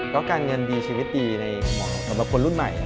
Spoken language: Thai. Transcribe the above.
แล้วการเงินดีชีวิตดีในหมอบับคนรุ่นใหม่